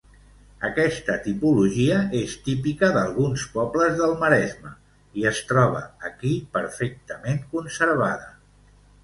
Aquesta tipologia és típica d'alguns pobles del Maresme i es troba aquí perfectament conservada.